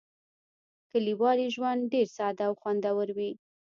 کلیوالي ژوند ډېر ساده او خوندور وي.